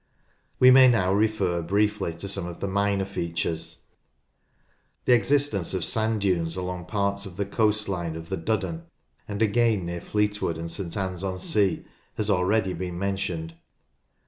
We may now refer briefly to some of the minor features. The existence of sand dunes along parts of the coast line of the Duddon, and again near Fleetwood and St Anne's on Sea, has already been mentioned.